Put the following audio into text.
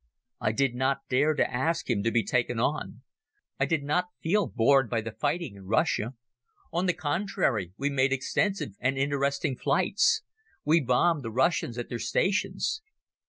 I did not dare to ask him to be taken on. I did not feel bored by the fighting in Russia. On the contrary, we made extensive and interesting flights. We bombed the Russians at their stations.